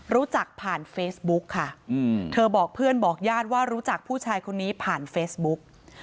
รู้จักผ่านเฟซบุ๊กค่ะเธอบอกเพื่อนบอกญาติว่ารู้จักผู้ชายคนนี้ผ่านเฟซบุ๊ก